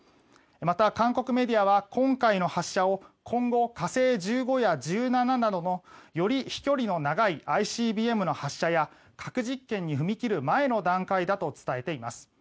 また、韓国メディアは今回の発射を今後、火星１５や１７などのより飛距離の長いＩＣＢＭの発射や核実験に踏み切る前の段階だと伝えています。